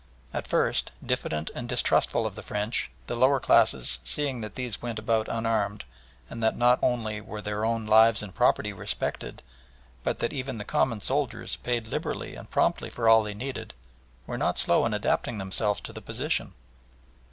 At first, diffident and distrustful of the French, the lower classes seeing that these went about unarmed, and that not only were their own lives and property respected, but that even the common soldiers paid liberally and promptly for all they needed, were not slow in adapting themselves to the position.